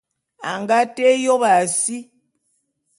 A nga té yôp a si.